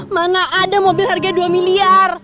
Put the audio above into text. mana ada mobil harga dua miliar